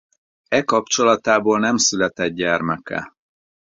E kapcsolatából nem született gyermeke.